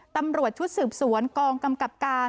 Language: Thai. ตำรวจชุดสืบสวนกองกำกับการ